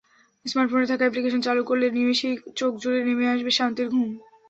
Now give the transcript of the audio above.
স্মার্টফোনে থাকা অ্যাপ্লিকেশন চালু করলে নিমেষেই চোখজুড়ে নেমে আসবে শান্তির ঘুম।